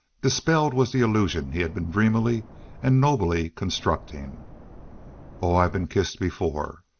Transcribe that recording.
Dispelled was the illusion he had been dreamily and nobly constructing. "Oh, I've been kissed before!"